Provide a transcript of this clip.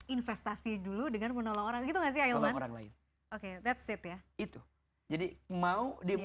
investasi dulu dengan menolong orang gitu gak sih ailman